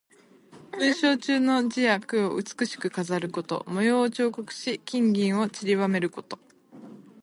文章中の字や句を美しく飾ること。模様を彫刻し、金銀をちりばめること。